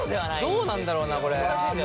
どうなんだろうなこれ。